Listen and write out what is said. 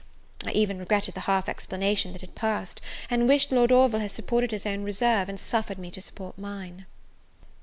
I even regretted the half explanation that had passed, and wished Lord Orville had supported his own reserve, and suffered me to support mine.